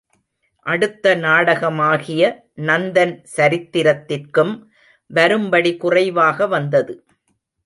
அடுத்த நாடகமாகிய நந்தன் சரித்திரத்திற்கும் வரும்படி குறைவாக வந்தது.